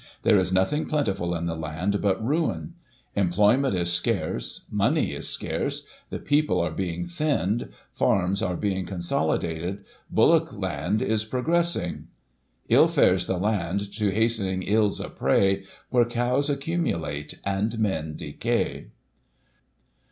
There is nothing plentiful in the land but ruin ! Employment is scarce — money is scarce — ^the people are being thinned — farms are being consolidated — bullock land is progressing— " 111 fares the land, to hastening ills a prey, Where cows accumulate, and men decay."